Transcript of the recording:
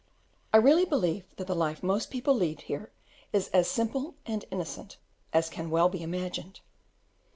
I really believe that the life most people lead here is as simple and innocent as can well be imagined.